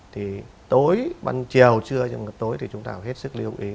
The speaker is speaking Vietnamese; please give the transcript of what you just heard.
thì tối ban chiều trưa trong mặt tối thì chúng ta phải hết sức lưu ý